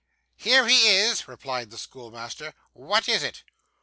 'Here he is,' replied the schoolmaster; 'what is it?